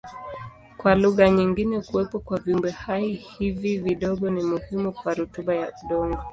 Kwa lugha nyingine kuwepo kwa viumbehai hivi vidogo ni muhimu kwa rutuba ya udongo.